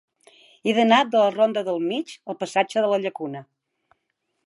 He d'anar de la ronda del Mig al passatge de la Llacuna.